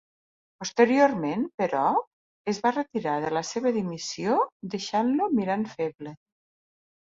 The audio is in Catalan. Posteriorment, però, es va retirar de la seva dimissió, deixant-lo mirant feble.